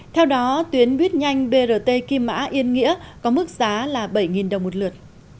theo đó tuyến buýt nhanh brt kim mã yên nghĩa có mức giá là bảy đồng một lượt